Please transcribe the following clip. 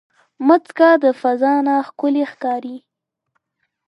مځکه د فضا نه ښکلی ښکاري.